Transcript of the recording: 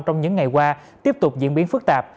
trong những ngày qua tiếp tục diễn biến phức tạp